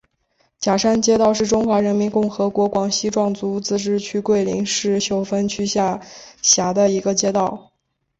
甲山街道是中华人民共和国广西壮族自治区桂林市秀峰区下辖的一个街道。